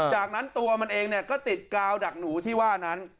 จากนั้นตัวมันเองก็ติดกาวดักหนูที่ว่านั้น